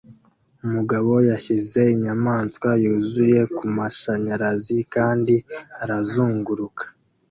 Umugabo yashyize inyamaswa yuzuye kumashanyarazi kandi arazunguruka